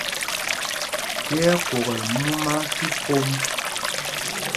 Pye ɛ́ ɛ́ kwokɛl múma tí pômb.